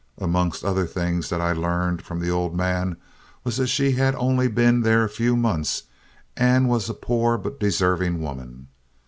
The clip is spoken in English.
Amongst other things that I learned from the old man was that she had only been there a few months, and was a poor but deserving woman.